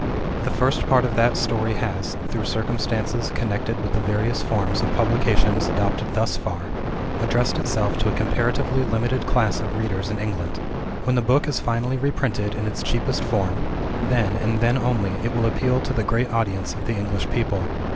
The first part of that story has, through circumstances connected with the various forms of publications adopted thus far, addressed itself to a comparatively limited class of readers in England. When the book is finally reprinted in its cheapest form then, and then only, it will appeal to the great audience of the English people.